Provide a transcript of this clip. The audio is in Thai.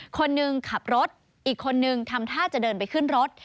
คนหนึ่งขับรถอีกคนนึงทำท่าจะเดินไปขึ้นรถ